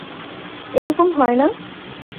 এরকম হয় না!